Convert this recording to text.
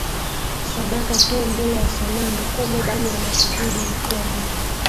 sadaka tu mbele ya sanamu Kumbe damu ya mashahidi ilikuwa mbegu